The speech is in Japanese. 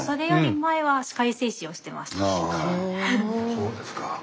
そうですか。